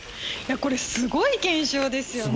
これすごい現象ですよね。